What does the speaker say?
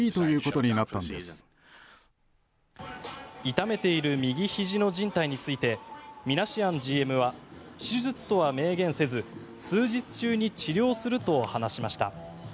痛めている右ひじのじん帯についてミナシアンＧＭは手術とは明言せず数日中に治療すると話しました。